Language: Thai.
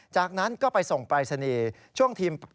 จากนั้นก็ไปส่งปรายศนียบ